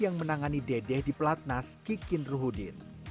yang menangani dedeh di pelatnas kikin ruhudin